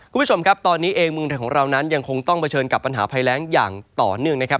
คุณผู้ชมครับตอนนี้เองเมืองไทยของเรานั้นยังคงต้องเผชิญกับปัญหาภัยแรงอย่างต่อเนื่องนะครับ